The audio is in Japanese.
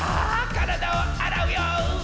からだをあらうよ！